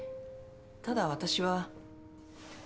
ただ私は。